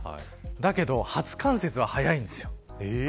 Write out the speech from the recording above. だけど初冠雪は早いんですよ。